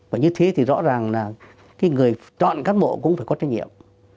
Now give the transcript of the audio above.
và như thế thì rõ ràng là cái người chọn cán bộ cũng phải có trách nhiệm